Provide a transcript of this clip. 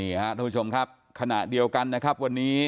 นี่ครับทุกผู้ชมครับขณะเดียวกันนะครับวันนี้